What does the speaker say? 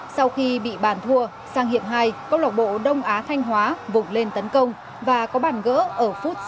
sau khi bị bản thua sang hiệp hai công loại bộ đông á thanh hóa vụt lên tấn công và có bản gỡ ở phút sáu mươi hai